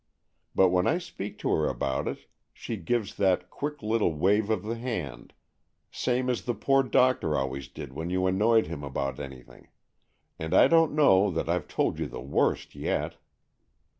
But when I speak to her about it, she gives that quick little wave of the hand, same as the poor doctor always did when you annoyed him about anything; and I don't know that I've told you the worst yet."